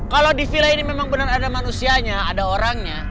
kalau di villa ini memang benar ada manusianya ada orangnya